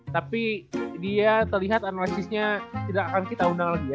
tapi dia terlihat analisisnya tidak akan kita undang lagi